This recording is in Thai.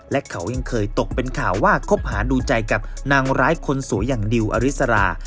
และเขายังเคยตกเป็นข่าวว่าคบหาดูใจกับนางร้ายคนสวยอย่างดิวอริสรา